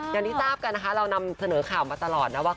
อย่างที่ทราบกันนะคะเรานำเสนอข่าวมาตลอดนะว่า